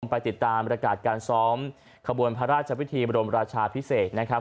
ไปติดตามบรรยากาศการซ้อมขบวนพระราชพิธีบรมราชาพิเศษนะครับ